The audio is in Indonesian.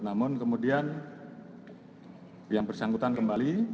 namun kemudian yang bersangkutan kembali